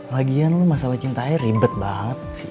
lagian lo masalah cintanya ribet banget